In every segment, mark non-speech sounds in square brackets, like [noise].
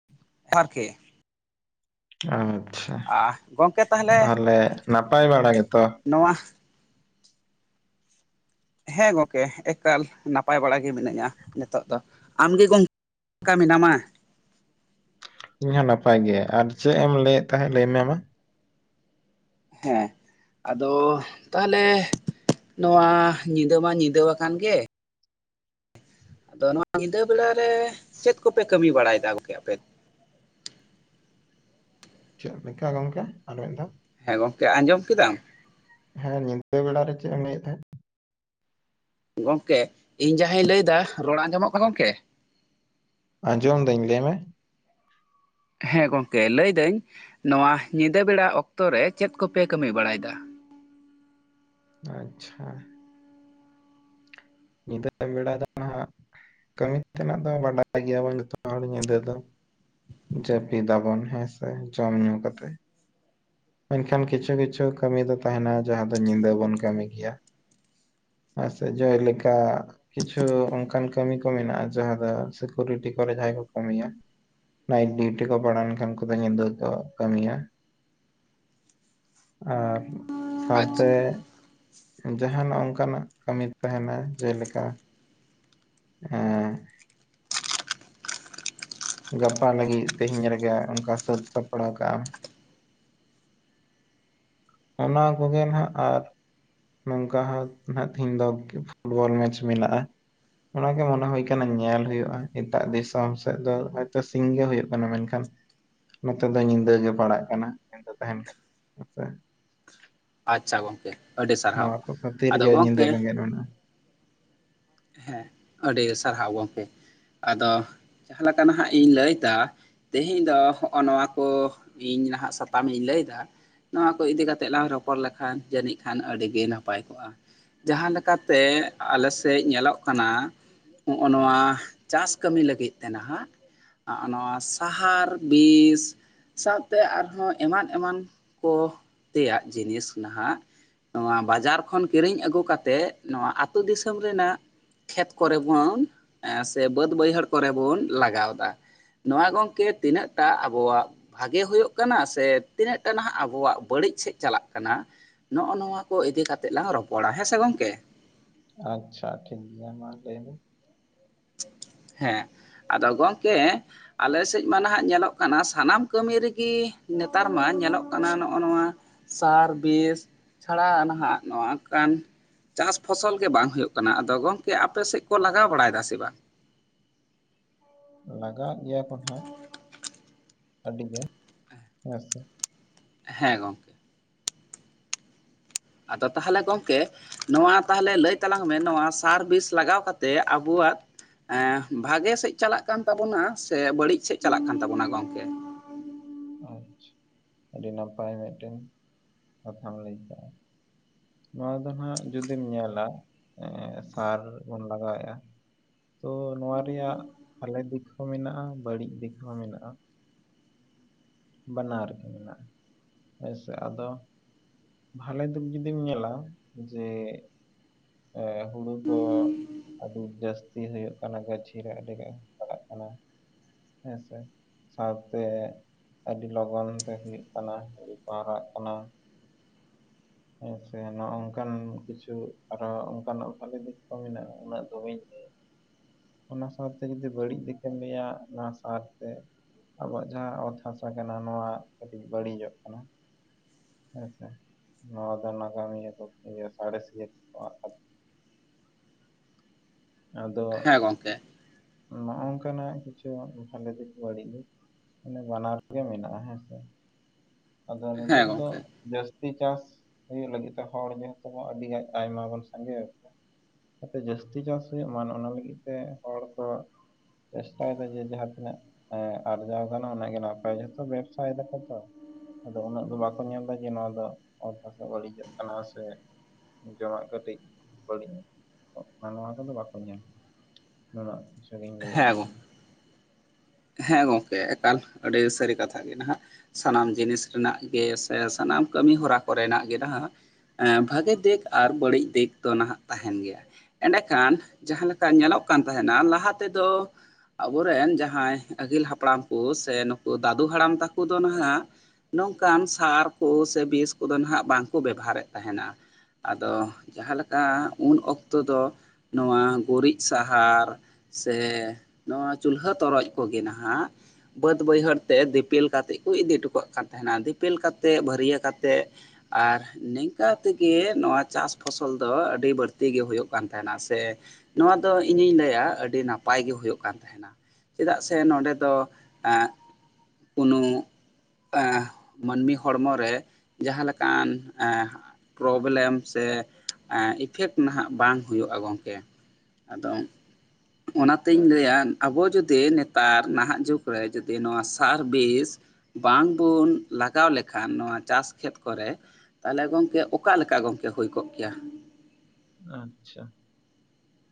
[unintelligible] ᱟᱪᱪᱷᱟ᱾ ᱟᱨ ᱜᱚᱢᱠᱮ ᱛᱟᱦᱚᱞᱮ ᱱᱟᱯᱟᱭ ᱵᱟᱲᱟ ᱜᱮᱛᱚ? ᱱᱚᱣᱟ ᱦᱮᱸ ᱜᱚᱝᱠᱮ ᱮᱠᱟᱞ ᱱᱟᱯᱟᱭ ᱵᱟᱲᱟ ᱜᱮ ᱢᱤᱱᱟᱹᱧᱟ ᱱᱤᱛᱚᱜ ᱫᱚ ᱟᱢ ᱜᱮ ᱜᱚᱝᱠᱮ? ᱠᱟ ᱢᱮᱱᱟᱢᱟ? ᱤᱧ ᱦᱚᱸ ᱱᱟᱯᱟᱭ ᱜᱮ ᱟᱨ ᱪᱮᱫ ᱮᱢ ᱞᱟᱹᱭᱮᱫ ᱛᱟᱦᱮᱸᱫ ᱞᱟᱹᱭ ᱢᱮ ᱢᱟ᱾ ᱦᱮᱸ᱾ ᱟᱫᱚ ᱛᱟᱦᱞᱮ ᱱᱚᱣᱟ ᱧᱤᱫᱟᱹ ᱢᱟ ᱧᱤᱫᱟᱹ ᱣᱟᱠᱟᱱ ᱜᱮ᱾ ᱟᱫᱚ ᱱᱚᱣᱟ ᱧᱤᱫᱟᱹ ᱵᱮᱲᱟ ᱨᱮ ᱪᱮᱫ ᱠᱚᱯᱮ ᱠᱟᱹᱢᱤ ᱵᱟᱲᱟᱭᱫᱟ ᱜᱚᱝᱠᱮ ᱟᱯᱮ? ᱪᱮᱫ ᱞᱮᱠᱟ ᱜᱚᱝᱠᱮ ᱟᱨ ᱢᱤᱫᱷᱟᱣ? ᱦᱮᱸ ᱜᱚᱝᱠᱮ ᱟᱸᱡᱚᱢ ᱠᱮᱫᱟᱢ? ᱦᱮᱸ ᱧᱤᱫᱟᱹ ᱵᱮᱲᱟ ᱨᱮ ᱪᱮᱫ ᱮᱢ ᱞᱟᱹᱭᱮᱫ ᱛᱟᱦᱮᱸᱫ? ᱜᱚᱝᱠᱮ ᱤᱧ ᱡᱟᱦᱟᱸᱧ ᱞᱟᱹᱭᱫᱟ ᱨᱚᱲ ᱟᱸᱡᱚᱢᱚᱜ ᱠᱟᱱᱟ ᱜᱚᱢᱠᱮ? ᱟᱸᱡᱚᱢ ᱫᱟᱹᱧ ᱞᱟᱹᱭ ᱢᱮ᱾ ᱦᱮᱸ ᱜᱚᱝᱠᱮ ᱞᱟᱹᱭ ᱫᱟᱹᱧ ᱱᱚᱣᱟ ᱧᱤᱫᱟᱹ ᱵᱮᱲᱟ ᱚᱠᱛᱚ ᱨᱮ ᱪᱮᱫ ᱠᱚᱯᱮ ᱠᱟᱹᱢᱤ ᱵᱟᱲᱟᱭᱮᱫᱟ? ᱟᱪᱪᱷᱟ᱾ [unintelligible] ᱡᱟᱹᱯᱤᱫᱤᱫᱟᱵᱚᱱ ᱦᱮᱸᱥᱮ ᱡᱚᱢ ᱧᱩ ᱠᱟᱛᱮ ᱢᱮᱱᱠᱷᱟᱱ ᱠᱤᱪᱷᱩ ᱠᱤᱪᱷᱩ ᱠᱟᱹᱢᱤ ᱫᱚ ᱛᱟᱦᱮᱱᱟ ᱡᱟᱦᱟᱸ ᱫᱚ ᱧᱤᱫᱟᱹ ᱵᱚᱱ ᱠᱟᱹᱢᱤ ᱜᱮᱭᱟ ᱦᱮᱸ ᱥᱮ ᱡᱚᱭ ᱞᱮᱠᱟ ᱠᱤᱪᱷᱩ ᱚᱱᱠᱟᱱ ᱠᱟᱹᱢᱤ ᱠᱚ ᱢᱮᱱᱟᱜᱼᱟ ᱡᱟᱦᱟᱸ ᱫᱚ ᱥᱤᱠᱩᱨᱤᱴᱤ ᱠᱚᱨᱮ ᱡᱟᱦᱟᱸᱭ ᱠᱚ ᱠᱟᱹᱢᱤᱭᱟ ᱱᱟᱭᱤᱴ ᱰᱤᱭᱩᱴᱤ ᱠᱚ ᱯᱟᱲᱟᱣ ᱞᱮᱱᱠᱷᱟᱱ ᱩᱱᱠᱩᱫᱚ ᱧᱤᱫᱟᱹ ᱠᱚ ᱠᱟᱹᱢᱤᱭᱟ ᱟᱨ ᱟᱪᱪᱷᱟ ᱥᱟᱶᱛᱮ ᱡᱟᱦᱟᱱᱟᱜ ᱚᱱᱠᱟᱱᱟᱜ ᱠᱟᱹᱢᱤ ᱛᱟᱦᱮᱱᱟ ᱡᱮᱞᱮᱠᱟ ᱮᱸ ᱜᱟᱯᱟ ᱞᱟᱹᱜᱤᱫ ᱛᱮᱦᱤᱧ ᱨᱮᱜᱮ ᱚᱱᱠᱟ ᱥᱟᱹᱛ ᱥᱟᱯᱲᱟᱣ ᱠᱟᱜᱼᱟ᱾ ᱚᱱᱟ ᱠᱚᱜᱮ ᱱᱟᱦᱟᱜ ᱟᱨ ᱱᱚᱝᱠᱟ ᱦᱚᱸ ᱱᱟᱜ ᱛᱦᱮᱧ ᱫᱚ ᱯᱷᱩᱴᱵᱚᱞ ᱢᱮᱪ ᱢᱮᱱᱟᱜᱼᱟ ᱚᱱᱟ ᱜᱮ ᱢᱚᱱᱮ ᱦᱳᱭ ᱠᱟᱱᱟ ᱧᱮᱞ ᱦᱳᱭᱳᱜᱼᱟ ᱮᱴᱟᱜ ᱫᱤᱥᱚᱢ ᱥᱮᱫ ᱫᱚ ᱦᱳᱭᱛᱚ ᱥᱤᱧ ᱜᱮ ᱦᱩᱭᱩᱜ ᱠᱟᱱᱟ ᱢᱮᱱᱠᱷᱟᱱ ᱱᱚᱛᱮ ᱫᱚ ᱧᱤᱫᱟᱹ ᱜᱮ ᱯᱟᱲᱟᱜ ᱠᱟᱱᱟ ᱧᱤᱫᱟᱹ ᱛᱟᱦᱮᱱ [unintelligible] ᱟᱪᱪᱷᱟ ᱜᱚᱢᱠᱮ ᱟᱹᱰᱤ ᱥᱟᱨᱦᱟᱣ ᱱᱚᱣᱟ ᱠᱚ ᱠᱷᱟᱹᱛᱤᱨ ᱟᱫᱚ ᱜᱮ ᱜᱚᱢᱠᱮ ᱧᱤᱫᱟᱹ ᱵᱮᱸᱜᱮᱫ ᱢᱮᱱᱟᱜᱼᱟ ᱦᱮᱸ ᱟᱹᱰᱤ ᱥᱟᱨᱦᱟᱣᱵᱚᱱ ᱜᱚᱢᱠᱮ ᱟᱫᱚ ᱡᱟᱦᱟᱸ ᱞᱮᱠᱟ ᱱᱟᱦᱟᱜ ᱤᱧ ᱞᱟᱹᱭ ᱫᱟ ᱛᱮᱦᱮᱧ ᱫᱚ ᱦᱚᱜᱼᱚ ᱱᱚᱣᱟ ᱠᱚ ᱤᱧ ᱱᱟᱦᱟᱜ ᱥᱟᱛᱟᱢ ᱤᱧ ᱞᱟᱹᱭ ᱫᱟ ᱱᱚᱣᱟ ᱠᱚ ᱤᱫᱤ ᱠᱟᱛᱮᱜ ᱞᱟᱝ ᱨᱚᱯᱚᱲ ᱞᱮᱠᱷᱟᱱ ᱡᱟᱹᱱᱤᱡ ᱠᱷᱟᱱ ᱟᱹᱰᱤ ᱜᱮ ᱱᱟᱯᱟᱭ ᱠᱚᱜᱼᱟ ᱡᱟᱦᱟᱸ ᱞᱮᱠᱟᱛᱮ ᱟᱞᱮᱥᱮᱪ ᱧᱮᱞᱚᱜ ᱠᱟᱱᱟ ᱦᱚᱸᱜ ᱚ ᱱᱚᱣᱟ ᱪᱟᱥ ᱠᱟᱹᱢᱤ ᱞᱟᱹᱜᱤᱫ ᱛᱮ ᱱᱟᱦᱟᱜ ᱦᱚᱜ ᱚ ᱱᱚᱣᱟ ᱥᱟᱦᱟᱨ ᱵᱤᱥ ᱥᱟᱶᱛᱮ ᱟᱨᱦᱚᱸ ᱮᱢᱟᱱ ᱮᱢᱟᱱ ᱠᱚ ᱛᱮᱭᱟᱜ ᱡᱤᱱᱤᱥ ᱱᱟᱦᱟᱜ ᱱᱚᱣᱟ ᱵᱟᱡᱟᱨ ᱠᱷᱚᱱ ᱠᱤᱨᱤᱧ ᱟᱹᱜᱩ ᱠᱟᱛᱮᱜ ᱱᱚᱣᱟ ᱟᱛᱳ ᱫᱤᱥᱚᱢ ᱨᱮᱱᱟᱜ ᱠᱷᱮᱛ ᱠᱚᱨᱮ ᱵᱚᱱ ᱥᱮ ᱵᱟᱹᱫᱽ ᱵᱟᱹᱭᱦᱟᱹᱲ ᱠᱚᱨᱮ ᱵᱚᱱ ᱞᱟᱜᱟᱣᱫᱟ ᱱᱚᱣᱟ ᱜᱚᱝᱠᱮ ᱛᱤᱱᱟᱹᱜ ᱴᱟ ᱟᱵᱚᱣᱟᱜ ᱵᱷᱟᱜᱮ ᱦᱩᱭᱩᱜ ᱠᱟᱱᱟ ᱥᱮ ᱛᱤᱱᱟᱹᱜ ᱴᱟ ᱱᱟᱦᱟᱜ ᱟᱵᱚᱣᱟᱜ ᱵᱟᱹᱲᱤᱡ ᱥᱮᱮᱫ ᱪᱟᱞᱟᱜ ᱠᱟᱱᱟ ᱱᱚᱜᱼᱚ ᱱᱚᱣᱟ ᱠᱚ ᱤᱫᱤ ᱠᱟ ᱠᱟᱛᱮᱜ ᱞᱟᱝ ᱨᱚᱯᱚᱲᱟ ᱦᱮᱸ ᱥᱮ ᱜᱚᱝᱠᱮ ᱟᱪᱪᱷᱟ ᱴᱷᱤᱠ ᱜᱮᱭᱟ ᱢᱟ ᱞᱟᱹᱭ ᱢᱮ ᱦᱮᱸ ᱟᱫᱚ ᱜᱚᱢᱠᱮ ᱟᱞᱮ ᱥᱮᱪ ᱢᱟ ᱱᱟᱦᱟᱜ ᱧᱮᱞᱚᱜ ᱠᱟᱱᱟ ᱥᱟᱱᱟᱢ ᱠᱟᱹᱢᱤ ᱨᱮᱜᱮ ᱱᱮᱛᱟᱨ ᱢᱟ ᱧᱮᱞᱚᱜ ᱠᱟᱱᱟ ᱱᱚᱜᱼᱚ ᱱᱚᱣᱟ ᱥᱟᱨ ᱵᱤᱥ ᱪᱷᱟᱲᱟ ᱱᱟᱦᱟᱜ ᱱᱚᱝᱠᱟᱱ ᱪᱟᱥ ᱯᱷᱚᱥᱚᱞ ᱜᱮ ᱵᱟᱝ ᱦᱩᱭᱩᱜ ᱠᱟᱱᱟ ᱟᱫᱚ ᱜᱚᱝᱠᱮ ᱟᱯᱮᱥᱮᱫ ᱠᱚ ᱞᱟᱜᱟᱣ ᱵᱟᱲᱟᱭ ᱫᱟᱥᱮ ᱵᱟᱝ ᱞᱟᱜᱟᱣᱟᱜ ᱜᱮᱭᱟ ᱠᱚ ᱱᱟᱟᱸᱜ ᱟᱹᱰᱤᱜᱮ ᱦᱮᱸ ᱥᱮ ᱦᱮᱸ ᱜᱚᱝ ᱟᱫᱚ ᱛᱟᱦᱚᱞᱮ ᱜᱚᱝᱠᱮ ᱱᱚᱣᱟ ᱛᱟᱦᱚᱞᱮ ᱞᱟᱹᱭ ᱛᱟᱞᱟᱝ ᱢᱮ ᱱᱚᱣᱟ ᱥᱟᱨ ᱵᱤᱥ ᱞᱟᱜᱟᱣ ᱠᱟ ᱠᱟᱛᱮᱮᱫ ᱟᱵᱚᱣᱟᱜ ᱮ ᱵᱷᱟᱜᱮ ᱥᱮᱡ ᱪᱟᱞᱟᱜ ᱠᱟᱱ ᱛᱟᱵᱚᱱᱟ ᱥᱮ ᱵᱟᱹᱲᱤᱡ ᱥᱮᱡ ᱪᱟᱞᱟᱜ ᱠᱟᱱ ᱛᱟᱵᱚᱱᱟ ᱜᱚᱝᱠᱮ ᱟᱪᱪᱷᱟ ᱟᱹᱰᱤ ᱱᱟᱯᱟᱭ ᱢᱤᱫᱴᱮᱱ ᱠᱟᱛᱷᱟᱢ ᱞᱟᱹᱭ ᱠᱟᱜᱼᱟ ᱱᱚᱣᱟ ᱫᱚ ᱦᱟᱜ ᱡᱩᱫᱤᱢ ᱧᱮᱞᱟ ᱮ ᱥᱟᱨ ᱵᱚᱱ ᱞᱟᱜᱟᱣᱮᱫᱼᱟ ᱛᱚ ᱱᱚᱣᱟ ᱨᱮᱭᱟᱜ ᱵᱷᱟᱞᱮ ᱫᱤᱠ ᱦᱚᱸ ᱢᱮᱱᱟᱜᱼᱟ ᱵᱟ. ᱲᱤᱡ ᱫᱤᱠ ᱦᱚᱸ ᱢᱮᱱᱟᱜᱼᱟ ᱵᱟᱱᱟᱨ ᱜᱮ ᱢᱮᱱᱟᱜᱼᱟ ᱦᱮᱸ ᱥᱮ ᱟᱫᱚ ᱵᱷᱟᱞᱮ ᱫᱤᱠ ᱡᱩᱫᱤᱢ ᱧᱮᱞᱟ ᱡᱮ ᱮ ᱦᱩᱲᱩ ᱠᱚ ᱟᱹᱰᱤ ᱡᱟᱹᱥᱛᱤ ᱦᱩᱭᱩᱜ ᱠᱟᱱᱟ ᱜᱟᱹᱪᱷᱤ ᱨᱮ ᱟᱹᱰᱤ ᱜᱟᱱ ᱯᱟᱲᱟᱜ ᱠᱟᱱᱟ ᱦᱮᱸᱥᱮ ᱥᱟᱶᱛᱮ ᱟᱹᱰᱤ ᱞᱚᱜᱚᱱ ᱛᱮ ᱦᱩᱭᱩᱜ ᱠᱟᱱᱟ ᱦᱩᱭ ᱡᱟᱣᱨᱟᱜ ᱠᱟᱱᱟ ᱦᱮᱸ ᱥᱮ ᱱᱚᱜ ᱚᱝᱠᱟᱱ ᱠᱤᱪᱷᱩ ᱟᱨᱚ ᱚᱱᱠᱟᱱᱟᱜ ᱵᱷᱟᱞᱮ ᱫᱤᱠ ᱠᱚ ᱢᱮᱱᱟᱜᱼᱟ ᱩᱱᱟᱹᱜ ᱫᱚ ᱵᱟᱹᱧ ᱞᱟ. ᱭ ᱚᱱᱟ ᱥᱟᱶᱛᱮ ᱡᱩᱫᱤ ᱵᱟᱹᱲᱤᱡ ᱫᱤᱠ ᱦᱚᱧ ᱞᱟᱹᱭᱟ ᱚᱱᱟ ᱥᱟᱨᱛᱮ ᱟᱵᱚᱣᱟᱜ ᱡᱟᱦᱟᱸ ᱚᱛ ᱦᱟᱥᱟ ᱠᱟᱱᱟ ᱱᱚᱣᱟ ᱟᱹᱰᱤ ᱵᱟᱹᱲᱤᱡᱚᱜ ᱠᱟᱱᱟ ᱦᱮᱸᱥᱮ ᱱᱚᱣᱟ ᱫᱚ ᱱᱟᱜᱟᱢᱤᱭᱟᱹ ᱠᱚ ᱤᱭᱟᱹ ᱥᱟᱸᱬᱮᱥᱤᱭᱟᱹ ᱠᱚ ᱠᱚ ᱟᱫᱚ ᱦᱮᱸ ᱜᱚᱝᱠᱮ ᱱᱚᱜ ᱱᱚᱠᱟᱱᱟᱜ ᱠᱤᱪᱷᱩ ᱵᱷᱟᱞᱮ ᱫᱤᱠ ᱵᱟᱹᱲᱤᱡ ᱫᱤᱠ ᱢᱟᱱᱮ ᱵᱟᱱᱟᱨ ᱜᱮ ᱢᱮᱱᱟᱜᱼᱟ ᱦᱮᱸ ᱥᱮ ᱟᱫᱚ ᱦᱮᱸ ᱱᱤᱛᱟᱹᱜ ᱫᱚ ᱜᱚᱝᱠᱮ ᱡᱟᱹᱥᱛᱤ ᱪᱟᱥ ᱦᱩᱭᱩᱜ ᱞᱟᱹᱜᱤᱫ ᱛᱮ ᱦᱚᱲ ᱡᱮᱦᱮᱛᱩ ᱟᱹᱰᱤ ᱟᱭᱢᱟ ᱵᱚᱱ ᱥᱟᱸᱜᱮ ᱟᱠᱟᱱᱟ ᱡᱟᱛᱮ ᱡᱟᱹᱥᱛᱤ ᱪᱟᱥ ᱦᱩᱭᱩᱜ ᱢᱟ ᱚᱱᱟ ᱞᱟᱹᱜᱤᱫ ᱛᱮ ᱦᱚᱲ ᱠᱚ ᱪᱮᱥᱴᱟ ᱭᱮᱫᱟ ᱡᱮ ᱡᱟᱦᱟᱸ ᱛᱤᱱᱟᱹᱜ ᱦᱮᱸ ᱟᱨᱡᱟᱣ ᱠᱟᱱᱟ ᱚᱱᱟᱜᱮ ᱱᱟᱯᱟᱭ ᱡᱚᱛᱚ ᱵᱮᱵᱥᱟᱭ ᱫᱟᱠᱚ ᱛᱚ ᱟᱫᱚ ᱩᱱᱟᱹᱜ ᱫᱚ ᱵᱟᱠᱚ ᱧᱮᱞ ᱮᱫᱟ ᱡᱮ ᱱᱚᱣᱟ ᱫᱚ ᱚᱛ ᱦᱟᱥᱟ ᱵᱟᱹᱲᱤᱡᱚᱜ ᱠᱟᱱᱟ ᱥᱮ ᱡᱚᱢᱟᱜ ᱠᱟᱹᱴᱤᱡ ᱵᱟᱹᱲᱤᱡ ᱱᱚᱣᱟ [inaudible] ᱫᱚ ᱵᱟᱠᱚ ᱧᱮᱞ ᱱ ᱨᱮᱱᱟᱜᱤᱥᱤᱧ ᱦᱮᱸ ᱞᱟᱹᱭᱮᱫᱼᱟ ᱜᱚᱝᱠᱮ ᱤ ᱦᱮᱸ ᱜᱚᱢᱠᱮ ᱮᱠᱟᱞ ᱟᱹᱰᱤ ᱥᱟᱹᱨᱤ ᱠᱟᱛᱷᱟ ᱜᱮ ᱱᱟᱦᱟᱜ ᱥᱟᱱᱟᱢ ᱡᱤᱱᱤᱥ ᱨᱮᱱᱟᱜ ᱜᱮ ᱥᱮ ᱥᱟᱱᱟᱢ ᱠᱟᱹᱢᱤ ᱦᱚᱨᱟ ᱠᱚᱨᱮᱱᱟᱜ ᱜᱮ ᱱᱟᱦᱟᱜ ᱵᱷᱟᱜᱤ ᱫᱤᱠ ᱟᱨ ᱵᱟᱹᱲᱤᱡ ᱫᱤᱠ ᱫᱚ ᱱᱟᱦᱟᱜ ᱛᱟᱦᱮᱱ ᱜᱮᱭᱟ ᱮᱸᱰᱮᱠᱷᱟᱱ ᱡᱟᱦᱟᱸ ᱞᱮᱠᱟ ᱧᱮᱞᱚᱜ ᱠᱟᱱ ᱛᱟᱦᱮᱱᱟ ᱞᱟᱦᱟ ᱛᱮᱫᱚ ᱟᱵᱚᱨᱮᱱ ᱡᱟᱦᱟᱸᱭ ᱟᱹᱜᱤᱞ ᱦᱟᱯᱲᱟᱢ ᱠᱚ ᱥᱮ ᱱᱩᱠᱩ ᱫᱟᱹᱫᱩ ᱦᱟᱲᱟᱢ ᱛᱟᱠᱚ ᱫᱚ ᱱᱟᱦᱟᱜ ᱱᱚᱝᱠᱟᱱ ᱥᱟᱨ ᱠᱚ ᱥᱮ ᱵᱤᱥ ᱠᱚᱫᱚ ᱱᱟᱦᱟᱜ ᱵᱟᱝᱠᱚ ᱵᱮᱵᱷᱟᱨᱮᱫ ᱛᱟᱦᱮᱱᱟ ᱟᱫᱚ ᱡᱟᱦᱟᱸ ᱞᱮᱠᱟ ᱩᱱ ᱚᱠᱛᱚ ᱫᱚ ᱱᱚᱣᱟ ᱜᱩᱨᱤᱡ ᱥᱟᱦᱟᱨ ᱥᱮ ᱱᱚᱣᱟ ᱪᱩᱞᱦᱟᱹ ᱛᱚᱨᱚᱡ ᱠᱚᱜᱮ ᱱᱟᱦᱟᱜ ᱵᱟᱹᱫ ᱵᱟᱹᱭᱦᱟᱹᱲ ᱛᱮ ᱫᱤᱯᱤᱞ ᱠᱟᱛᱮᱫ ᱠᱚ ᱤᱫᱤ ᱦᱚᱴᱚ ᱠᱟᱜ ᱠᱟᱱ ᱛᱟᱦᱮᱱᱟ ᱫᱤᱯᱤᱞ ᱠᱟᱛᱮᱫ ᱵᱷᱟᱹᱨᱤᱭᱟᱹ ᱠᱟᱛᱮᱫ ᱟᱨ ᱱᱤᱝᱠᱟ ᱛᱮᱜᱮ ᱱᱚᱣᱟ ᱪᱟᱥ ᱯᱷᱚᱥᱚᱞ ᱫᱚ ᱟᱹᱰᱤ ᱵᱟᱹᱲᱛᱤ ᱜᱮ ᱦᱩᱭᱩᱜ ᱠᱟᱱ ᱛᱟᱦᱮᱱᱟ ᱥᱮ ᱱᱚᱣᱟ ᱫᱚ ᱤᱧᱤᱧ ᱞᱟᱹᱭᱟ ᱟᱹᱰᱤ ᱱᱟᱯᱟᱭ ᱜᱮ ᱦᱩᱭᱩᱜ ᱠᱟᱱ ᱛᱟᱦᱮᱱᱟ ᱪᱮᱫᱟᱜ ᱥᱮ ᱱᱚᱸᱰᱮ ᱫᱚ ᱠᱳᱱᱳ ᱮᱸ ᱢᱟᱹᱱᱢᱤ ᱦᱚᱲᱢᱚ ᱨᱮ ᱡᱟᱦᱟᱸ ᱞᱮᱠᱟᱱ ᱮᱸ ᱯᱨᱚᱵᱞᱮᱢ ᱥᱮ ᱮᱸ ᱤᱯᱷᱮᱠᱴ ᱱᱟᱦᱟᱜ ᱵᱟᱝ ᱦᱩᱭᱩᱜᱼᱟ ᱜᱚᱢᱠᱮ ᱟᱫᱚ ᱚᱱᱟᱛᱤᱧ ᱞᱟᱹᱭᱟ ᱟᱵᱚ ᱡᱩᱫᱤ ᱡᱫᱤ ᱱᱮᱛᱟᱨ ᱱᱟᱦᱟᱜ ᱡᱩᱜᱽ ᱨᱮ ᱡᱩᱫᱤ ᱱᱚᱣᱟ ᱥᱟᱨ ᱵᱤᱥ ᱵᱟᱝᱵᱚᱱ ᱞᱟᱜᱟᱣ ᱞᱮᱠᱷᱟᱱ ᱱᱚᱣᱟ ᱪᱟᱥ ᱠᱷᱮᱛ ᱠᱚᱨᱮ ᱛᱟᱦᱚᱞᱮ ᱜᱚᱢᱠᱮ ᱚᱠᱟ ᱞᱮᱠᱟ ᱜᱚᱢᱠᱮ ᱦᱩᱭ ᱠᱚᱜ ᱠᱮᱭᱟ ᱟᱪᱪᱷᱟ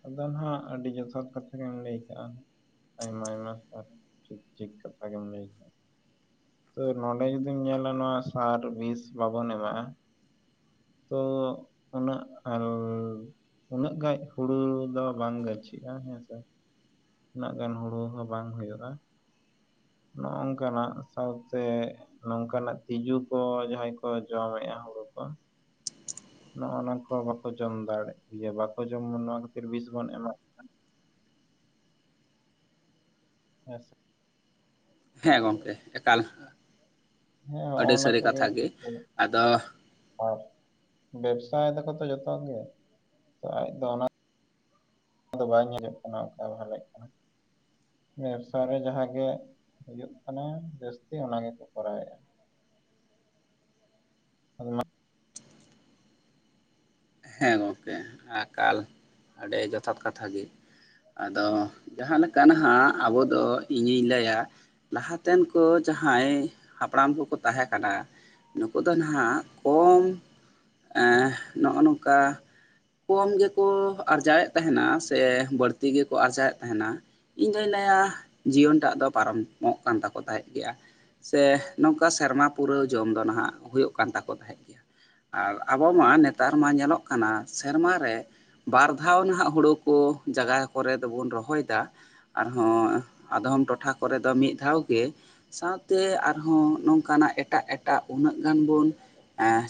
ᱟᱫᱚ ᱦᱟᱜ ᱟᱹᱰᱤ ᱡᱚᱛᱷᱟᱛ ᱠᱟᱛᱷᱟ ᱜᱮᱢ ᱞᱟᱹᱭ ᱠᱟᱜᱼᱟ ᱟᱭᱢᱟ ᱟᱭᱢᱟ ᱴᱷᱤᱠ ᱴᱷᱤᱠ ᱠᱟᱛᱷᱟ ᱜᱮᱢ ᱞᱟᱹᱭ ᱠᱟᱜᱟ ᱛᱚ ᱱᱚᱰᱮ ᱡᱩᱫᱤᱢ ᱧᱮᱞᱟ ᱱᱚᱣᱟ ᱥᱟᱨ ᱵᱤᱥ ᱵᱟᱵᱚᱱ ᱮᱢᱟᱜᱼᱟ ᱛᱚ ᱩᱱᱟᱹᱜ ᱟᱞ ᱩᱱᱟᱹᱜ ᱜᱟᱱ ᱦᱩᱲᱩ ᱫᱚ ᱵᱟᱝ ᱜᱟᱹᱪᱷᱤᱜᱼᱟ ᱦᱮᱸᱥᱮ ᱩᱱᱟᱹᱜ ᱜᱟᱱ ᱦᱩᱲᱩ ᱦᱚᱸ ᱵᱟᱝ ᱦᱩᱭᱩᱜᱼᱟ ᱱᱚᱜᱚᱝᱠᱟᱱᱟᱜ ᱥᱟᱶᱛᱮ ᱱᱚᱝᱠᱟᱱᱟᱜ ᱛᱤᱡᱩ ᱠᱚ ᱡᱟᱦᱟᱸᱭ ᱠᱚ ᱡᱚᱢᱮᱫᱼᱟ ᱦᱩᱲᱩ ᱠᱚ ᱱᱚᱜᱼᱚᱱᱟ ᱠᱚ ᱵᱟᱠᱚ ᱡᱚᱢ ᱫᱟᱲᱮᱜ ᱵᱟᱠᱚ ᱡᱚᱢᱟ ᱱᱚᱣᱟ ᱠᱷᱟᱹᱛᱤᱨ ᱵᱤᱥ ᱵᱚᱱ ᱮᱢᱟ ᱦᱮᱸᱥᱮ ᱦᱮᱸ ᱜᱚᱢᱠᱮ ᱮᱠᱟᱞ ᱦᱮᱸ ᱦᱚᱜᱼᱚ ᱟᱹᱰᱤ ᱱᱟ ᱥᱟᱹᱨᱤ ᱠᱚᱜᱮ ᱠᱟᱛᱷᱟ ᱜᱮ ᱡᱚᱛᱚ, ᱟᱫᱚ ᱟᱨ ᱵᱮᱵᱽᱥᱟᱭ ᱫᱟᱠᱚ ᱛᱚ ᱡᱚᱛᱚ ᱜᱮ ᱟᱡ ᱫᱚ ᱚᱱᱟ ᱚᱱᱟ ᱫᱚ ᱵᱟᱭ ᱧᱮᱞᱚᱜ ᱠᱟᱱᱟ ᱚᱠᱟ ᱵᱷᱟᱞᱮᱜ ᱠᱟᱱᱟ ᱵᱮᱵᱽᱥᱟ ᱨᱮ ᱡᱟᱦᱟᱸ ᱜᱮ ᱦᱩᱭᱩᱜ ᱠᱟᱱᱟ ᱡᱟᱹᱥᱛᱤ ᱚᱱᱟ ᱜᱮᱠᱚ ᱠᱚᱨᱟᱣᱮᱫᱼᱟ [unintelligible] ᱦᱮᱸ ᱜᱚᱝᱠᱮ ᱟᱠᱟᱞ ᱟᱹᱰᱤ ᱡᱚᱛᱷᱟᱛ ᱠᱟᱛᱷᱟ ᱜᱮ ᱟᱫᱚ ᱡᱟᱦᱟᱸ ᱞᱮᱠᱟ ᱱᱟᱦᱟᱜ ᱟᱵᱚ ᱫᱚ ᱤᱧᱤᱧ ᱞᱟᱹᱭᱟ ᱞᱟᱦᱟ ᱛᱮᱱ ᱠᱚ ᱡᱟᱦᱟᱸᱭ ᱦᱟᱯᱲᱟᱢ ᱠᱚᱠᱚ ᱛᱟᱦᱮᱸ ᱠᱟᱱᱟ ᱱᱩᱠᱩ ᱫᱚ ᱱᱷᱟᱜ ᱠᱚᱢ ᱱᱚᱜᱼᱚ ᱱᱚᱝᱠᱟ ᱠᱚᱢ ᱜᱮᱠᱚ ᱟᱨᱡᱟᱣᱮᱫ ᱛᱟᱦᱮᱱᱟ ᱥᱮ ᱵᱟᱹᱲᱛᱤ ᱜᱮᱠᱚ ᱟᱨᱡᱟᱣᱮᱫ ᱛᱟᱦᱮᱱᱟ ᱤᱧ ᱫᱩᱧ ᱞᱟᱹᱭᱟ ᱡᱤᱭᱚᱱ ᱴᱟᱜ ᱫᱚ ᱯᱟᱨᱚᱢᱚᱜ ᱠᱟᱱ ᱛᱟᱠᱚ ᱛᱟᱦᱮᱸᱫ ᱜᱮᱭᱟ ᱥᱮ ᱱᱚᱝᱠᱟ ᱥᱮᱨᱢᱟ ᱯᱩᱨᱟᱹᱣ ᱡᱚᱢ ᱫᱚ ᱱᱷᱟᱜ ᱦᱩᱭᱩᱜ ᱠᱟᱱ ᱛᱟᱠᱚ ᱛᱟᱦᱮᱸᱫ ᱜᱮᱭᱟ ᱟᱨ ᱟᱵᱚ ᱢᱟ ᱱᱮᱛᱟᱨ ᱢᱟ ᱧᱮᱞᱚᱜ ᱠᱟᱱᱟ ᱥᱮᱨᱢᱟ ᱨᱮ ᱵᱟᱨ ᱫᱷᱟᱣ ᱱᱟᱜ ᱦᱳᱲᱳ ᱠᱚ ᱡᱟᱭᱜᱟ ᱠᱚᱨᱮ ᱫᱚᱵᱚᱱ ᱨᱚᱦᱚᱭᱫᱟ ᱟᱨᱦᱚᱸ ᱟᱫᱚᱢ ᱴᱚᱴᱷᱟ ᱠᱚᱨᱮᱫ ᱫᱚ ᱢᱤᱫ ᱫᱷᱟᱣ ᱜᱮ ᱥᱟᱶᱛᱮ ᱟᱨᱦᱚᱸ ᱱᱚᱝᱠᱟᱱᱟᱜ ᱮᱴᱟᱜ ᱮᱴᱟᱜ ᱩᱱᱟᱹᱜ ᱜᱟᱱ ᱵᱚᱱ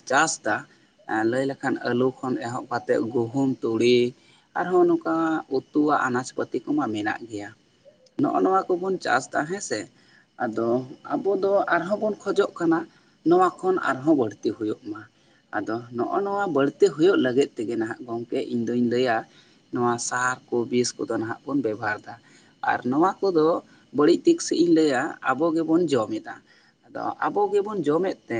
ᱪᱟᱥᱫᱟ ᱞᱟᱹᱭ ᱞᱮᱠᱷᱟᱱ ᱟᱹᱞᱩ ᱠᱷᱚᱱ ᱮᱦᱚᱵ ᱠᱟᱛᱮᱫ ᱜᱩᱦᱩᱢ, ᱛᱩᱲᱤ ᱟᱨᱦᱚᱸ ᱱᱚᱝᱠᱟ ᱩᱛᱩᱣᱟᱜ ᱟᱱᱟᱡᱯᱟᱹᱛᱤ ᱠᱚᱢᱟ ᱢᱮᱱᱟᱜ ᱜᱮᱭᱟ ᱱᱚᱜᱼᱚ ᱱᱚᱣᱟ ᱠᱚᱵᱚᱱ ᱪᱟᱥ ᱮᱫᱟ ᱦᱮᱸ ᱥᱮ ᱟᱫᱚ ᱟᱵᱚ ᱫᱚ ᱟᱨᱦᱚᱸ ᱵᱚᱱ ᱠᱷᱚᱡᱚᱜ ᱠᱟᱱᱟ ᱱᱚᱣᱟ ᱠᱷᱚᱱ ᱟᱨᱦᱚᱸ ᱵᱟᱹᱲᱛᱤ ᱦᱩᱭᱩᱜ ᱢᱟ ᱟᱫᱚ ᱱᱚᱜᱼᱚ ᱱᱚᱣᱟ ᱵᱟᱹᱲ ᱦᱩᱭᱩᱜ ᱞᱟᱹᱜᱤᱫ ᱛᱮᱜᱮ ᱱᱟᱜ ᱜᱚᱝᱠᱮ ᱤᱧ ᱫᱩᱧ ᱞᱟᱹᱭᱟ ᱱᱚᱣᱟ ᱥᱟᱨ ᱠᱚ ᱵᱤᱥ ᱠᱚᱫᱚ ᱱᱟᱜ ᱵᱚᱱ ᱵᱮᱵᱚᱦᱟᱨ ᱫᱟ ᱟᱨ ᱱᱚᱣᱟ ᱠᱚᱫᱚ ᱵᱟᱹᱲᱤᱡ ᱫᱤᱠ ᱥᱮᱷ ᱤᱧ ᱞᱟᱹᱭᱟ ᱟᱵᱚ ᱜᱮᱵᱚᱱ ᱡᱚᱢᱮᱫᱟ ᱟᱫᱚ ᱟᱵᱚ ᱜᱮᱵᱚᱱ ᱡᱚᱢᱮᱫ ᱛᱮ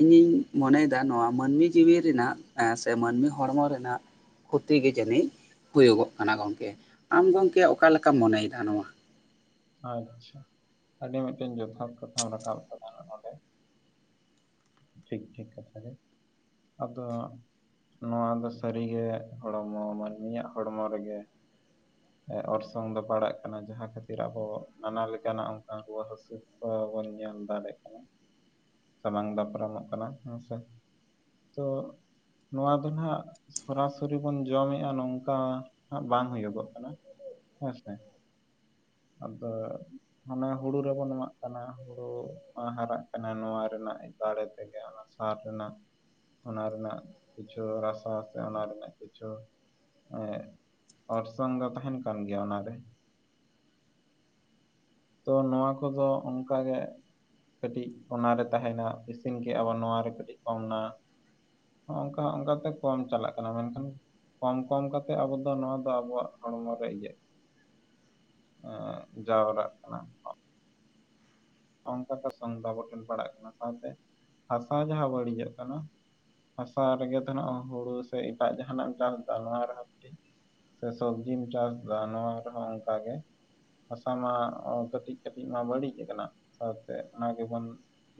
ᱤᱧᱤᱧ ᱢᱚᱱᱮᱭᱮᱫᱟ ᱱᱚᱣᱟ ᱢᱟᱹᱱᱢᱤ ᱡᱤᱣᱤ ᱨᱮᱱᱟᱜ ᱮᱸ, ᱥᱮ ᱢᱟᱹᱱᱢᱤ ᱦᱚᱲᱢᱚ ᱨᱮᱱᱟᱜ ᱠᱷᱩᱛᱤ ᱜᱮ ᱡᱟᱹᱱᱤᱡ ᱦᱩᱭᱩᱜᱚᱜ ᱠᱟᱱᱟ ᱜᱚᱝᱠᱮ ᱟᱢ ᱜᱚᱝᱠᱮ ᱚᱠᱟ ᱞᱮᱠᱟᱢ ᱢᱚᱱᱮᱭᱮᱫᱟ ᱱᱚᱣᱟ ᱟᱪᱪᱷᱟ ᱟᱹᱰᱤ ᱢᱤᱫᱴᱮᱱ ᱡᱚᱛᱷᱟᱛ ᱠᱟᱛᱷᱟᱢ ᱨᱟᱠᱟᱵ ᱟᱠᱟᱫᱟ ᱱᱚᱸᱰᱮ ᱴᱷᱤᱠ ᱜᱮ ᱠᱟᱛᱷᱟ ᱜᱮ ᱟᱫᱚ ᱱᱚᱣᱟ ᱫᱚ ᱥᱟᱹᱨᱤᱜᱮ ᱦᱚᱲᱢᱚ ᱢᱟᱹᱱᱢᱤᱭᱟᱜ ᱦᱚᱲᱢᱚ ᱨᱮᱜᱮ ᱚᱨᱥᱚᱝ ᱫᱚ ᱯᱟᱲᱟᱜ ᱠᱟᱱᱟ ᱡᱟᱦᱟᱸ ᱠᱷᱟᱹᱛᱤᱨ ᱟᱵᱚ ᱛᱚ ᱱᱟᱱᱟ ᱞᱮᱠᱟᱱᱟᱜ ᱚᱱᱠᱟᱱ ᱨᱩᱣᱟᱹ ᱦᱟᱹᱥᱩ ᱠᱚ ᱵᱚᱱ ᱧᱮᱞ ᱫᱟᱲᱮᱭᱟᱜ ᱠᱟᱱᱟ ᱥᱟᱢᱟᱝ ᱫᱟᱯᱨᱟᱢᱚᱜ ᱠᱟᱱᱟ ᱦᱮᱸ ᱥᱮ ᱛᱚ ᱱᱚᱣᱟ ᱫᱚ ᱱᱟᱜ ᱥᱚᱨᱟ ᱥᱚᱨᱤ ᱵᱚᱱ ᱡᱚᱢᱮᱜᱼᱟ ᱱᱚᱝᱠᱟ ᱦᱟᱸᱜ ᱵᱟᱝ ᱦᱩᱭᱩᱜᱚᱜ ᱠᱟᱱᱟ ᱦᱮᱸᱥᱮ ᱟᱫᱚ ᱦᱟᱱᱟ ᱦᱩᱲᱩ ᱨᱮᱵᱚᱱ ᱮᱢᱟᱜ ᱠᱟᱱᱟ ᱦᱩᱲᱩ ᱦᱟᱨᱟᱜ ᱠᱟᱱᱟ ᱱᱚᱣᱟ ᱨᱮᱱᱟᱜ ᱫᱟᱲᱮ ᱛᱮᱜᱮ ᱚᱱᱟ ᱥᱟᱨ ᱨᱮᱱᱟᱜ ᱚᱱᱟ ᱨᱮᱱᱟᱜ ᱠᱤᱪᱷᱩ ᱨᱟᱥᱟ ᱥᱮ ᱚᱱᱟ ᱨᱮᱱᱟᱜ ᱠᱤᱪᱷᱩ ᱮᱸᱜ ᱚᱨᱥᱚᱝ ᱫᱚ ᱛᱟᱦᱮᱱ ᱠᱟᱱ ᱜᱮᱭᱟ ᱚᱱᱟ ᱨᱮ ᱛᱚ ᱱᱚᱣᱟ ᱠᱚᱫᱚ ᱚᱝᱠᱟ ᱜᱮ ᱠᱟᱹᱴᱤᱡ ᱚᱱᱟᱨᱮ ᱛᱟᱦᱮᱱᱟ ᱤᱥᱤᱱ ᱠᱮᱜ-ᱟ ᱵᱚᱱ ᱱᱚᱣᱟ ᱨᱮ ᱠᱟᱹᱴᱤᱡ ᱠᱚᱢ ᱮᱱᱟ ᱦᱚᱸᱜ-ᱚᱝᱠᱟ ᱦᱚᱸᱜ-ᱚᱝᱠᱟ ᱛᱮ ᱠᱚᱢ ᱪᱟᱞᱟᱜ ᱠᱟᱱᱟ ᱢᱮᱱᱠᱷᱟᱱ ᱠᱚᱢ ᱠᱚᱢ ᱠᱟᱛᱮ ᱟᱵᱚ ᱫᱚ ᱱᱚᱣᱟ ᱫᱚ ᱟᱵᱚᱣᱟᱜ ᱦᱚᱲᱢᱚ ᱨᱮ ᱤᱭᱟᱹᱜ ᱮᱸ, ᱡᱟᱣᱨᱟᱜ ᱠᱟᱱᱟ ᱚᱝᱠᱟ ᱛᱮ ᱥᱚᱝ ᱫᱚ ᱟᱵᱚ ᱴᱷᱮᱱ ᱯᱟᱲᱟᱜ ᱠᱟᱱᱟ ᱥᱟᱶᱛᱮ ᱦᱟᱥᱟ ᱡᱟᱦᱟᱸ ᱵᱟᱹᱲᱤᱡᱚᱜ ᱠᱟᱱᱟ ᱦᱟᱥᱟ ᱨᱮᱜᱮ ᱫᱚ ᱱᱚᱣᱟ ᱦᱩᱲᱩ ᱥᱮ ᱮᱴᱟᱜ ᱡᱟᱦᱟᱱᱟᱜ ᱮᱢ ᱪᱟᱥᱫᱟ ᱱᱚᱣᱟ ᱨᱮᱦᱚᱸ ᱠᱟᱹᱴᱤᱡ ᱥᱮ ᱥᱚᱵᱽᱡᱤᱢ ᱪᱟᱥᱫᱟ ᱱᱚᱣᱟ ᱨᱮᱦᱚᱸ ᱚᱝᱠᱟ ᱜᱮ ᱦᱟᱥᱟ ᱢᱟ ᱠᱟᱹᱴᱤᱡ ᱠᱟᱹᱴᱤᱡ ᱢᱟ ᱵᱟᱹᱲᱤᱡ ᱟᱠᱟᱱᱟ ᱥᱟᱶᱛᱮ ᱚᱱᱟ ᱜᱮ ᱵᱚᱱ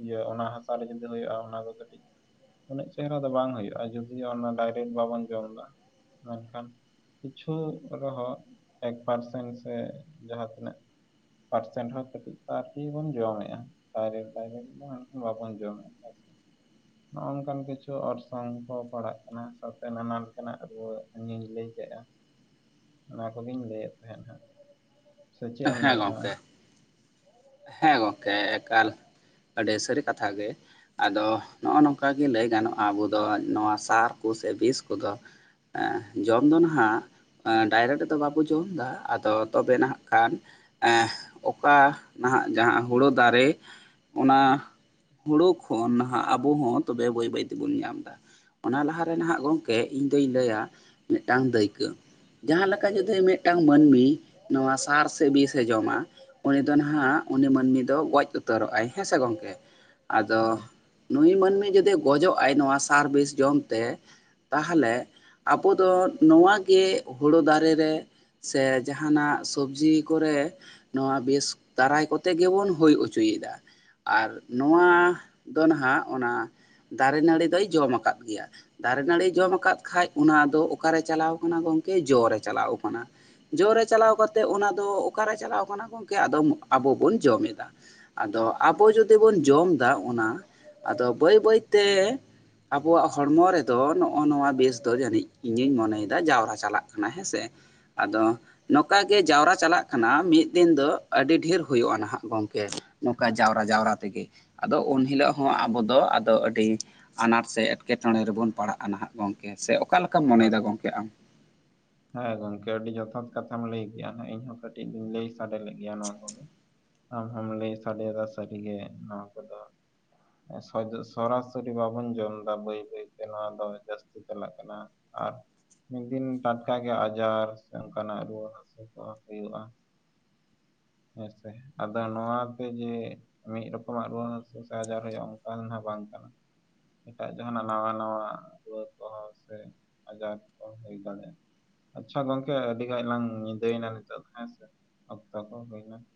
ᱤᱭᱟᱹ ᱚᱱᱟ ᱦᱟᱥᱟ ᱨᱮ ᱡᱩᱫᱤ ᱦᱩᱭᱩᱜᱼᱟ ᱚᱱᱟ ᱫᱚ ᱠᱟᱹᱴᱤᱡ ᱩᱱᱟᱹᱜ ᱪᱮᱦᱨᱟ ᱫᱚ ᱵᱟᱝ ᱦᱩᱭᱩᱜᱼᱟ ᱡᱩᱫᱤ ᱚᱱᱟ ᱰᱟᱭᱨᱮᱠᱴ ᱵᱟᱵᱚᱱ ᱡᱚᱢᱫᱟ ᱢᱮᱱᱠᱷᱟᱱ ᱠᱤᱪᱷᱩ ᱨᱮᱦᱚᱸ ᱮᱠ ᱯᱟᱨᱥᱮᱱ ᱥᱮ ᱡᱟᱦᱟᱸ ᱛᱤᱱᱟᱹᱜ ᱯᱟᱨᱥᱮᱱᱴ ᱦᱚᱸ ᱟᱨ ᱠᱟᱹᱴᱤᱡ ᱟᱨ ᱠᱤ ᱵᱚᱱ ᱡᱚᱢᱮᱜᱼᱟ ᱰᱟᱭᱨᱮᱠᱴ ᱰᱟᱭᱨᱮᱠᱴ ᱤᱠᱷᱟᱹᱱ ᱵᱟᱵᱚᱱ ᱡᱚᱢᱮᱜᱼᱟ ᱥᱮ ᱱᱚᱜᱼᱚ ᱱᱚᱝᱠᱟᱱ ᱠᱤᱪᱷᱩ ᱚᱨᱥᱚᱝ ᱠᱚ ᱯᱟᱲᱟᱜ ᱠᱟᱱᱟ ᱥᱟᱶᱛᱮ ᱱᱟᱱᱟ ᱞᱮᱠᱟᱱᱟᱜ ᱨᱩᱣᱟᱹ ᱤᱧ ᱞᱟᱹᱭ ᱠᱮᱫᱟ ᱚᱱᱟ ᱠᱚᱜᱮᱧ ᱞᱟᱹᱭᱮᱫ ᱛᱟᱦᱮᱱᱟ ᱥᱮ ᱪᱮᱫ ᱮᱢ ᱦᱮᱸ ᱞᱟᱹᱭᱮᱜᱼᱟ ᱟᱢ ᱜᱚᱝᱠᱮ ᱦᱮᱸ ᱜᱚᱝᱠᱮ ᱮᱠᱟᱞ ᱟᱹᱰᱤ ᱥᱟᱹᱨᱤ ᱠᱟᱛᱷᱟ ᱜᱮ ᱟᱫᱚ ᱱᱚᱜᱼᱚ ᱱᱚᱝᱠᱟ ᱜᱮ ᱞᱟᱹᱭ ᱜᱟᱱᱚᱜᱼᱟ ᱟᱵᱚ ᱫᱚ ᱱᱚᱣᱟ ᱥᱟᱨ ᱠᱚᱥᱮ ᱵᱤᱥ ᱠᱚᱫᱚ ᱟᱸ, ᱡᱚᱢ ᱫᱚ ᱱᱟᱜ ᱰᱟᱭᱨᱮᱠᱴ ᱫᱚ ᱵᱟᱵᱚ ᱡᱚᱢᱫᱟ ᱟᱫᱚ ᱛᱚᱵᱮ ᱱᱟᱜ ᱠᱷᱟᱱ ᱮᱸ ᱚᱠᱟ ᱱᱟᱦᱟᱜ ᱡᱟᱦᱟᱸ ᱦᱳᱲᱳ ᱫᱟᱨᱮ ᱚᱱᱟ ᱦᱳᱲᱳ ᱠᱷᱚᱱ ᱱᱟᱦᱟᱜ ᱟᱵᱚ ᱦᱚᱸ ᱛᱚᱵᱮ ᱵᱟᱹᱭ ᱵᱟᱹᱭ ᱛᱮᱵᱚᱱ ᱧᱟᱢᱫᱟ ᱾ ᱚᱱᱟ ᱞᱟᱦᱟᱨᱮ ᱱᱟᱦᱟᱜ ᱜᱚᱢᱠᱮ ᱤᱧ ᱫᱩᱧ ᱞᱟᱹᱭᱟ ᱢᱤᱫᱴᱟᱝ ᱫᱟᱹᱭᱠᱟᱹ᱾ ᱡᱟᱦᱟᱸ ᱞᱮᱠᱟ ᱡᱩᱫᱤ ᱢᱤᱫᱴᱟᱝ ᱢᱟᱹᱱᱢᱤ ᱱᱚᱣᱟ ᱥᱟᱲ ᱥᱮ ᱵᱤᱥᱮ ᱡᱚᱢᱟ ᱩᱱᱤ ᱫᱚ ᱦᱟᱸᱜ ᱩᱱᱤ ᱢᱟᱹᱱᱢᱤ ᱫᱚ ᱜᱚᱡ ᱩᱛᱟᱹᱨᱚᱜ-ᱟᱭ ᱦᱮᱸ ᱥᱮ ᱜᱚᱢᱠᱮ? ᱟᱫᱚ ᱦᱮᱸ ᱱᱩᱭ ᱢᱟᱹᱱᱢᱤ ᱡᱩᱫᱤ ᱜᱚᱡᱚᱜ ᱟᱭ ᱱᱚᱣᱟ ᱥᱟᱨ ᱵᱤᱥ ᱡᱚᱢᱛᱮ ᱛᱟᱦᱞᱮ ᱟᱵᱚ ᱫᱚ ᱱᱚᱣᱟ ᱜᱮ ᱦᱳᱲᱳ ᱫᱟᱨᱮ ᱨᱮ ᱥᱮ ᱡᱟᱦᱟ ᱱᱟᱜ ᱥᱚᱵᱽᱡᱤ ᱠᱚᱨᱮ ᱱᱚᱣᱟ ᱵᱤᱥ ᱫᱟᱨᱟᱭ ᱠᱚᱛᱮ ᱜᱮᱵᱚᱱ ᱦᱩᱭ ᱚᱪᱚᱭᱫᱟ ᱟᱨ ᱱᱚᱣᱟ ᱫᱚ ᱱᱟᱦᱟᱜ ᱚᱱᱟ ᱫᱟᱨᱮ ᱱᱟᱹᱲᱤ ᱫᱚᱭ ᱡᱚᱢ ᱟᱠᱟᱫ ᱜᱮᱭᱟ? ᱫᱟᱨᱮ ᱱᱟᱹᱲᱤ ᱡᱚᱢ ᱟᱠᱟᱫ ᱠᱷᱟᱡ ᱚᱱᱟ ᱫᱚ ᱚᱠᱟ ᱨᱮ ᱪᱟᱞᱟᱣ ᱠᱟᱱᱟ ᱜᱚᱝᱠᱮ ᱡᱚ ᱨᱮ ᱪᱟᱞᱟᱣ ᱠᱟᱱᱟ᱾ ᱡᱚᱨᱮ ᱪᱟᱞᱟᱣ ᱠᱟᱛᱮ ᱚᱱᱟ ᱫᱚ ᱚᱠᱟᱨᱮ ᱪᱟᱞᱟᱣ ᱠᱟᱱᱟ ᱜᱚᱢᱠᱮ ᱟᱫᱚ ᱟᱵᱚ ᱵᱚᱱ ᱡᱚᱢ ᱮᱫᱟ ᱾ ᱟᱫᱚ ᱟᱵᱚ ᱡᱩᱫᱤ ᱵᱚᱱ ᱡᱚᱢ ᱮᱫᱟ ᱚᱱᱟ ᱟᱫᱚ ᱵᱟᱹᱭ ᱵᱟᱹᱭᱛᱮ ᱟᱵᱚᱣᱟᱜ ᱦᱚᱲᱢᱚ ᱨᱮᱫᱚ ᱱᱚᱜᱼᱚ ᱱᱚᱣᱟ ᱵᱤᱥ ᱫᱚ ᱡᱟᱹᱱᱤᱡ ᱤᱧᱤᱧ ᱢᱚᱱᱮᱭᱮᱫᱟ ᱡᱟᱣᱨᱟ ᱪᱟᱞᱟᱜ ᱠᱟᱱᱟ ᱦᱮᱸᱥᱮ ᱾ ᱟᱫᱚ ᱱᱚᱝᱠᱟ ᱜᱮ ᱡᱟᱣᱨᱟ ᱪᱟᱞᱟᱜ ᱠᱟᱱᱟ ᱢᱤᱫ ᱫᱤᱱ ᱫᱚ ᱟᱹᱰᱤ ᱰᱷᱮᱨ ᱦᱩᱭᱩᱜᱼᱟ ᱱᱟᱦᱟᱜ ᱜᱚᱝᱠᱮ ᱱᱚᱝᱠᱟ ᱡᱟᱣᱨᱟ ᱡᱟᱣᱨᱟ ᱛᱮᱜᱮ ᱾ ᱟᱫᱚ ᱩᱱ ᱦᱤᱞᱚᱜ ᱦᱚᱸ ᱟᱵᱚ ᱫᱚ ᱟᱫᱚ ᱟᱹᱰᱤ ᱟᱱᱟᱴ ᱥᱮ ᱮᱴᱠᱮ ᱴᱚᱬᱮ ᱨᱮᱵᱚᱱ ᱯᱟᱲᱟᱜᱼᱟ, ᱱᱟᱦᱟᱜ ᱜᱚᱝ ᱠᱮ ᱥᱮ ᱚᱠᱟ ᱞᱮᱠᱟᱢ ᱢᱚᱱᱮ ᱭᱮᱫᱟ ᱜᱚᱢᱠᱮ ᱟᱢ? ᱦᱚᱭ ᱜᱚᱢᱠᱮ ᱟᱹᱰᱤ ᱡᱚᱛᱷᱟᱛ ᱠᱟᱛᱷᱟᱢ ᱞᱟᱹᱭ ᱠᱮᱜ-ᱟ ᱤᱧᱦᱚᱸ ᱠᱟᱹᱴᱤᱡ ᱤᱧ ᱞᱟᱹᱭ ᱥᱟᱰᱮ ᱞᱮᱫ ᱜᱮᱭᱟ ᱱᱚᱣᱟ ᱠᱚᱜᱮ ᱾ ᱟᱢ ᱦᱚᱢ ᱞᱟᱹᱭ ᱥᱟᱰᱮ ᱭᱟᱫᱟ ᱥᱟᱹᱨᱤᱜᱮ ᱱᱚᱣᱟ ᱠᱚᱫᱚ ᱥᱚᱫ ᱥᱚᱨᱟ ᱥᱚᱨᱤ ᱵᱟᱵᱚᱱ ᱡᱚᱢ ᱮᱫᱟ ᱵᱟᱹᱭ ᱵᱟᱹᱭ ᱛᱮ ᱱᱚᱣᱟ ᱫᱚ ᱡᱟᱹᱥᱛᱤ ᱪᱟᱞᱟᱜ ᱠᱟᱱᱟ ᱾ ᱟᱨ ᱢᱤᱫ ᱫᱤᱱ ᱴᱟᱴᱠᱟ ᱜᱮ ᱟᱡᱟᱨ ᱥᱮ ᱚᱱᱠᱟ ᱱᱟᱜ ᱨᱩᱣᱟᱹ ᱦᱟᱹᱥᱩ ᱠᱚ ᱦᱩᱭᱩᱜᱼᱟ ᱾ ᱦᱮᱸᱥᱮ ᱟᱫᱚ ᱱᱚᱣᱟ ᱛᱮ ᱜᱮ ᱢᱤᱫ ᱨᱚᱠᱚᱢᱟᱜ ᱨᱩᱣᱟᱹ ᱦᱟᱹᱥᱩ ᱥᱮ ᱟᱡᱟᱨ ᱦᱩᱭᱩᱜᱼᱟ ᱚᱱᱠᱟᱱ ᱦᱚᱸ ᱵᱟᱝ ᱠᱟᱱᱟ ᱾ ᱮᱴᱟᱜ ᱡᱟᱦᱟᱸᱱᱟᱜ ᱱᱟᱣᱟ ᱱᱟᱣᱟ ᱨᱩᱣᱟᱹ ᱠᱚᱦᱚᱸ ᱥᱮ ᱟᱡᱟᱨ ᱠᱚ ᱦᱩᱭ ᱫᱟᱲᱮᱭᱟᱜᱼᱟ ᱾ ᱟᱪᱪᱷᱟ ᱜᱚᱢᱠᱮ ᱟᱹᱰᱤ ᱜᱟᱱ ᱞᱟᱝ ᱧᱤᱫᱟᱹᱭᱮᱱᱟ ᱱᱤᱛᱚᱜ ᱫᱚ ᱦᱮᱸ ᱥᱮ ᱚᱠᱛᱚ ᱠᱚ ᱦᱩᱭᱱᱟ ᱾